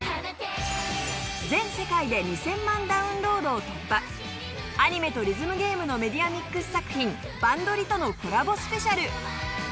全世界で２０００万ダウンロードを突破アニメとリズムゲームのメディアミックス作品『バンドリ！』とのコラボスペシャル。